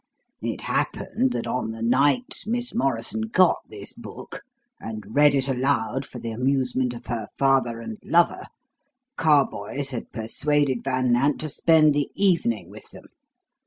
It happened that on the night Miss Morrison got this book, and read it aloud for the amusement of her father and lover, Carboys had persuaded Van Nant to spend the evening with them.